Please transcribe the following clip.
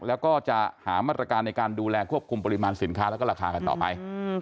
แล้วก็จะหามาตรการในการดูแลควบคุมปริมาณสินค้าแล้วก็ราคากันต่อไป